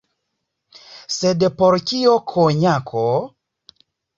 Sed por kio konjako?